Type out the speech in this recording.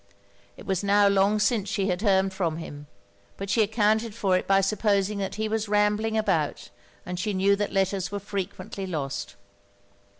It was now long since she had heard from him; but she accounted for it by supposing that he was rambling about, and she knew that letters were frequently lost.